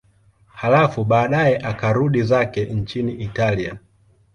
Halafu baadaye akarudi zake nchini Italia.